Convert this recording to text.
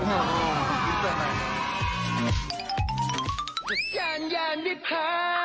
แย่นแย่นยังมิภา